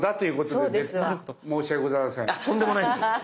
とんでもないです。